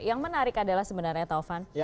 yang menarik adalah sebenarnya taufan